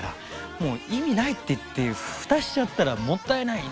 「もう意味ない」っていって蓋しちゃったらもったいないですよね。